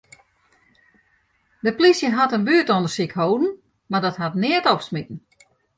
De polysje hat in buertûndersyk hâlden, mar dat hat neat opsmiten.